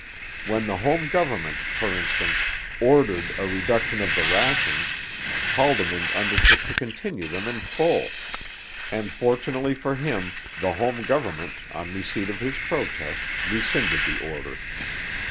When the home government, for instance, ordered a reduction of the rations, Haldimand undertook to continue them in full; and fortunately for him the home government, on receipt of his protest, rescinded the order.